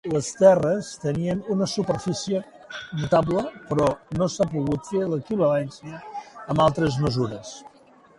Les terres tenien una superfície notable però no s'ha pogut fer l'equivalència amb altres mesures.